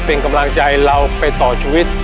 เป็นกำลังใจเราไปต่อชีวิต